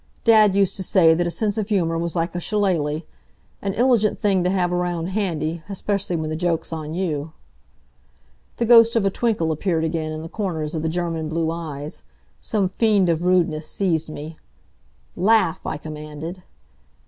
Dad used to say that a sense of humor was like a shillaly an iligent thing to have around handy, especially when the joke's on you." The ghost of a twinkle appeared again in the corners of the German blue eyes. Some fiend of rudeness seized me. "Laugh!" I commanded. Dr.